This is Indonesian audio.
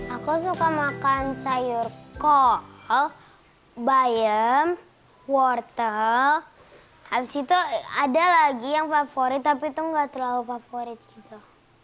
aku suka makan sayur kol bayam wortel habis itu ada lagi yang favorit tapi itu nggak terlalu favorit gitu